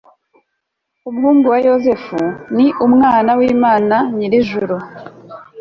umuhungu wa yozefu, ni umwana w'imana nyir'ijuru